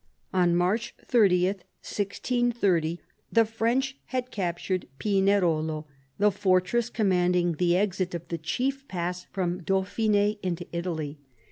On March 30, 1630, the French had captured Pinerolo, the fortress commanding the exit of the chief pass from Dauphin^ into Italy.